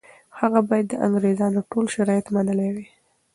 هغه باید د انګریزانو ټول شرایط منلي وای.